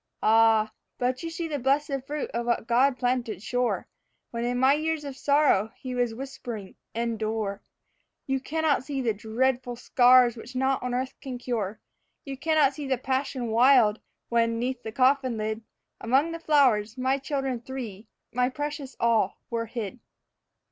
Ah, you but see the blessed fruit of what God planted sure, When in my years of sorrow He was whispering, 'Endure.' You cannot see the dreadful scars which naught on earth can cure. You cannot see the passion wild, when, 'neath the coffin lid, Among the flowers, my children three, my precious all, were hid.